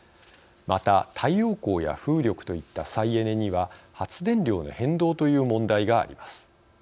また、太陽光や風力といった再エネには発電量の変動という問題があります。